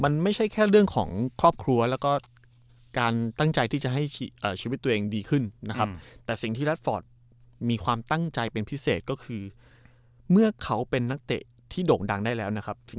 แต่ว่าปล่อยเช่าไปแล้วอ๋ออ๋ออ๋ออ๋ออ๋ออ๋ออ๋ออ๋ออ๋ออ๋ออ๋ออ๋ออ๋ออ๋ออ๋ออ๋ออ๋ออ๋ออ๋ออ๋ออ๋ออ๋ออ๋ออ๋ออ๋ออ๋ออ๋ออ๋ออ๋ออ๋ออ๋ออ๋ออ๋ออ๋ออ๋ออ๋ออ๋ออ๋ออ๋ออ๋ออ๋อ